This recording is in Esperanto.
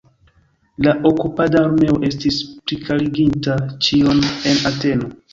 La okupada armeo estis plikariginta ĉion en Ateno.